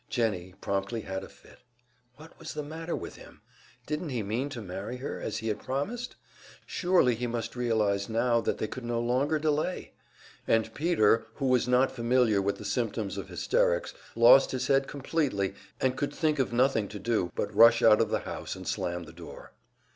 Jennie promptly had a fit. What was the matter with him? Didn't he mean to marry her, as he had promised? Surely he must realize now that they could no longer delay! And Peter, who was not familiar with the symptoms of hysterics, lost his head completely and could think of nothing to do but rush out of the house and slam the door.